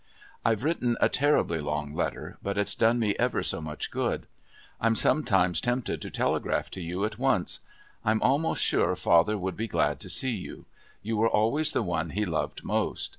I've written a terribly long letter, but it's done me ever so much good. I'm sometimes so tempted to telegraph to you at once. I'm almost sure father would be glad to see you. You were always the one he loved most.